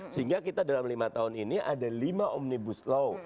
sehingga kita dalam lima tahun ini ada lima omnibus law